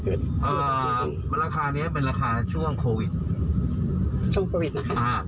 คือราคานี้เป็นราคาช่วงโควิดช่วงโควิดนะคะ